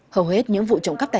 hầu hết những vụ trộm cắp đài